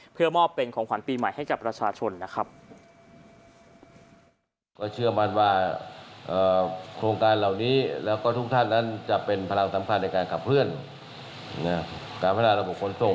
เพื่อมอบเป็นของขวัญปีใหม่ให้กับประชาชนนะครับ